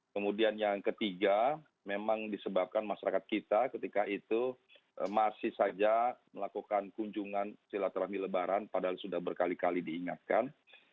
kemudian yang ketiga memang disebabkan masyarakat kita ketika itu masih saja melakukan kunjungan silaturahmi lebaran padahal sudah berkali kali diingatkan